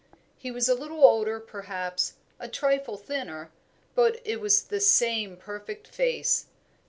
He was a little older, perhaps, a trifle thinner, but it was the same perfect face.